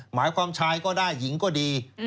หมายความชายก็ได้หญิงก็ดี